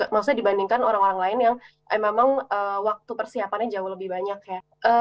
maksudnya dibandingkan orang orang lain yang memang waktu persiapannya jauh lebih banyak ya